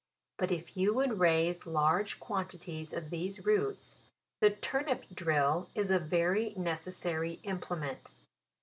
But if you would raise large quantities of these roots, the turnip drill is a very necessary implement.